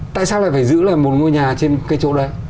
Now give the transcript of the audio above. tại sao lại phải giữ lại một ngôi nhà trên cái chỗ đấy